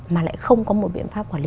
mà lại không có một biện pháp quản lý